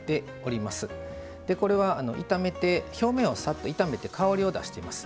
これは表面をさっと炒めて香りを出しています。